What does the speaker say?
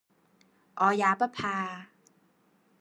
我也不怕；